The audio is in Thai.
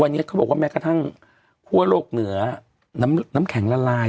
วันนี้เขาบอกว่าแม้กระทั่งคั่วโลกเหนือน้ำแข็งละลาย